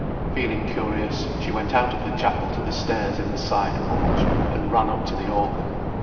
Feeling curious, she went out of the Chapel to the stairs in the side porch, and ran up to the organ.